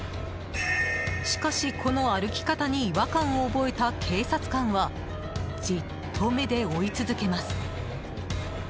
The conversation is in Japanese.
しかし、この歩き方に違和感を覚えた警察官はじっと目で追い続けます。